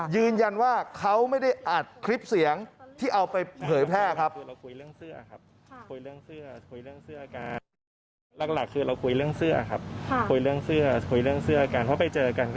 ยืนยันว่าเขาไม่ได้อัดคลิปเสียงที่เอาไปเผยแพร่ครับ